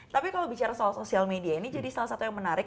tapi kalau bicara soal sosial media ini jadi salah satu yang menarik